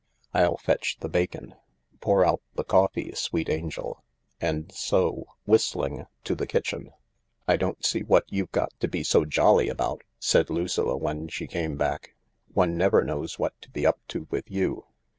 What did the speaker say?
I'll fetch the bacon. Pour out the coffee, sweet angel." And so, whistling, to the kitchen. " I don't see what you've got to be so jolly about," said Lucilla when she came back. " One never knows what to be up to with you.